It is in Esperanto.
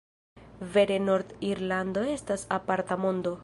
Vere Nord-Irlando estas aparta mondo.